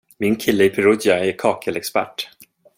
Min kille i Perugia är kakelexpert.